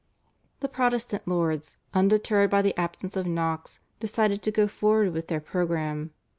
The Protestant lords, undeterred by the absence of Knox, decided to go forward with their programme.